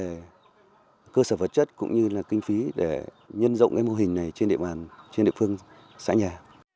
về cơ sở vật chất cũng như là kinh phí để nhân rộng cái mô hình này trên địa phương xã nhà